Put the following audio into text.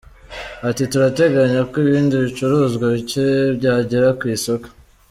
Ati“Turateganya ko ibindi bicuruzwa bicye byagera ku isoko.